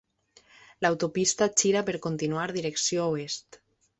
L'autopista gira per continuar direcció oest.